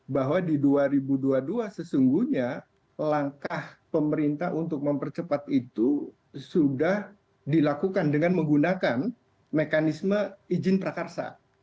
bahwa di dua ribu dua puluh dua sesungguhnya langkah pemerintah untuk mempercepat itu sudah dilakukan dengan menggunakan mekanisme izin prakarsa